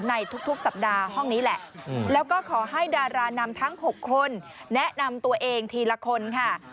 ในทุกสัปดาห์ห้องนี้แหละแล้วก็ขอให้ดารานำทั้ง๖คนแนะนำตัวเองทีละคนค่ะ